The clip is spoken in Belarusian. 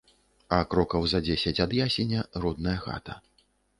А крокаў за дзесяць ад ясеня родная хата.